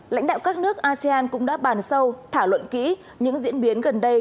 lãnh đạo các nước asean cũng đã bàn sâu thảo luận kỹ những diễn biến gần đây